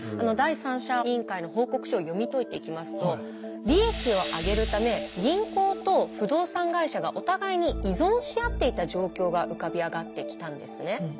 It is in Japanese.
第三者委員会の報告書を読み解いていきますと利益を上げるため銀行と不動産会社がお互いに依存しあっていた状況が浮かび上がってきたんですね。